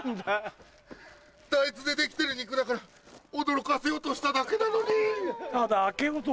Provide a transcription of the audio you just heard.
大豆で出来てる肉だから驚かせようとしただけなのに。